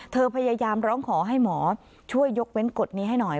พยายามร้องขอให้หมอช่วยยกเว้นกฎนี้ให้หน่อย